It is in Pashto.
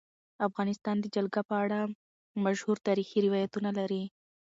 افغانستان د جلګه په اړه مشهور تاریخی روایتونه لري.